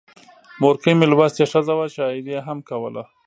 مورکۍ مې لوستې ښځه وه، شاعري یې هم کوله.